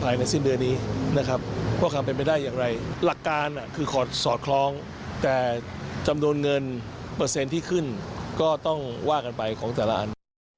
เปอร์เซนต์ที่ขึ้นก็ต้องว่ากันไปของแต่ละอัน